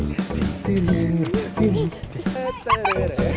eh narikinnya mas jangan kaku kaku